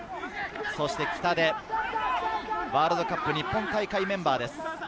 そして北出、ワールドカップ日本大会メンバーです。